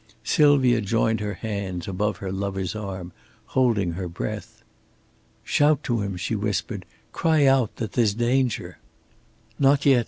Sylvia joined her hands above her lover's arm, holding her breath. "Shout to him!" she whispered. "Cry out that there's danger." "Not yet!"